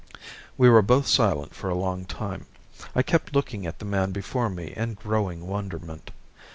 We were both silent for a long time. I kept looking at the man before me in growing wonderment.